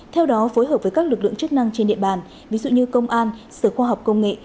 theo đó phối hợp với các lực lượng chức năng trên địa bàn ví dụ như công an sở khoa học công nghệ